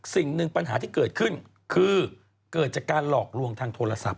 สิ่งหนึ่งปัญหาที่เกิดขึ้นคือเกิดจากการหลอกลวงทางโทรศัพท์